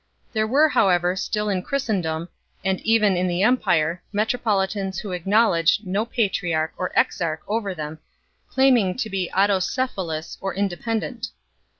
There were however still in Christendom, and even in the empire, metropolitans who acknowledged no patriarch or exarch over them, claiming to be " autocepha lous" or independent.